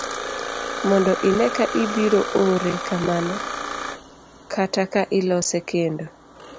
mondo ine ka ibiro ore kamano kata ka ilose kendo